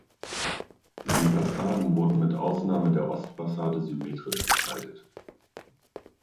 Die Fassaden wurden mit Ausnahme der Ostfassade symmetrisch gestaltet.